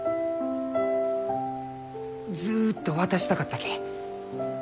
ずっと渡したかったき。